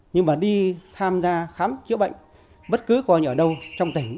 nhưng mà đi tham gia khám chữa bệnh bất cứ con ở đâu trong tỉnh